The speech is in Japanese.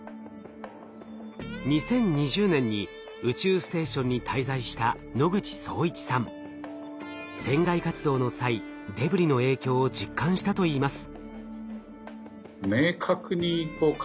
２０２０年に宇宙ステーションに滞在した船外活動の際デブリの影響を実感したといいます。